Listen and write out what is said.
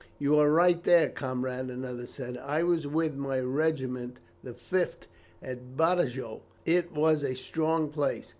"You are right there, comrade," another said. "I was with my regiment, the 5th, at Badajoz. It was a strong place.